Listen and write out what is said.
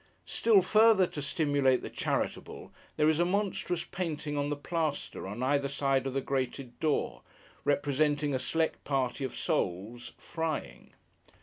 Still further to stimulate the charitable, there is a monstrous painting on the plaster, on either side of the grated door, representing a select party of souls, frying.